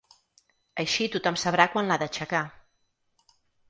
Així tothom sabrà quan l’ha d’aixecar.